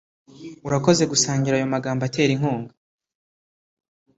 Urakoze gusangira ayo magambo atera inkunga.